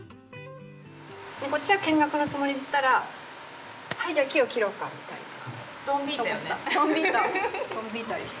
こっちは見学のつもりで行ったらはいじゃあ木を切ろうかみたいな。